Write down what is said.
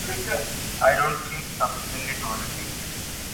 I don't feel sufficiently toyed with.